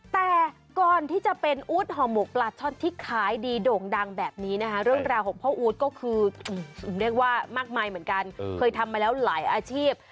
แต่ก่อนที่จะเป็นอู๊ดห่อหมกปลาช่อนที่ขายดีโด่งดังแบบนี้นะคะเรื่องราวของพ่ออู๊ดก็คือเรียกว่ามากมายเหมือนกันเคยทำมาแล้วหลายอาชีพ